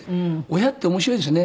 親って面白いですね。